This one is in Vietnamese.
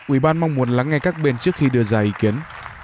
ủy ban mong muốn lắng nghe các bên trước khi đưa ra ý kiến